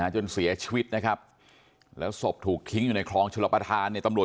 จนเสียชีวิตนะครับและศพถูกทิ้งอยู่ในครองชุระประธาน